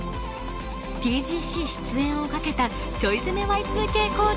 ＴＧＣ出演をかけたちょい攻めＹ２Ｋコーデとは。